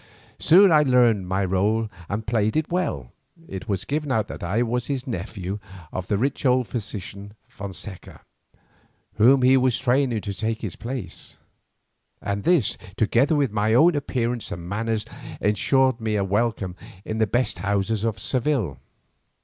Soon I learned my role and played it well. It was given out that I was the nephew of the rich old physician Fonseca, whom he was training to take his place; and this, together with my own appearance and manners, ensured me a welcome in the best houses of Seville.